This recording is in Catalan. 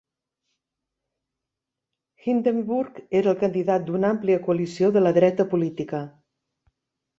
Hindenburg era el candidat d'una àmplia coalició de la dreta política.